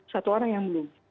satu orang yang belum